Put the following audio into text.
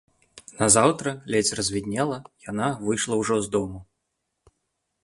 Назаўтра, ледзь развіднела, яна выйшла ўжо з дому.